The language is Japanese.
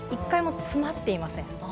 １回も詰まっていません。